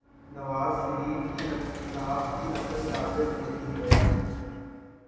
نوازشریف صاحب کی اصل طاقت یہی ہے۔